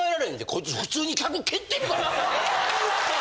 こいつ普通に客蹴ってるから。